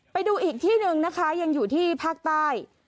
ไปดูอีกที่หนึ่งนะคะยังอยู่ที่ภาคใต้